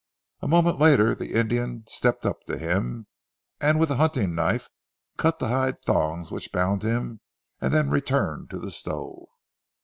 A moment later the Indian stepped up to him, and with a hunting knife cut the hide thongs which bound him, and then returned to the stove.